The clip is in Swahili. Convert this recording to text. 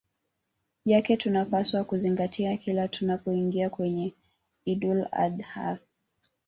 yake tunapaswa kuzingatia kila tunapoingia kwenye Idul Adh ha